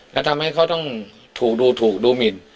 และทำให้เขาต้องถูกดูถูกดูหมิน